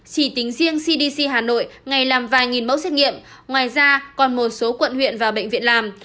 chỉ tính riêng cdc hà nội ngày làm vài nghìn mẫu xét nghiệm ngoài ra còn một số quận huyện và bệnh viện làm